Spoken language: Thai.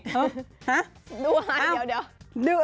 ฮะดูอะไรเดี๋ยว